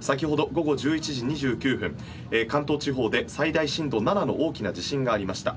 先ほど午後１１時２９分関東地方で最大震度７の大きな地震がありました。